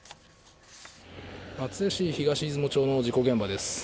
松江市東出雲町の事故現場です。